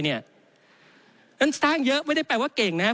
นั่นสร้างเยอะไม่ได้แปลว่าเก่งนะครับ